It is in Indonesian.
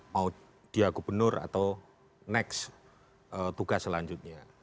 mau dia gubernur atau next tugas selanjutnya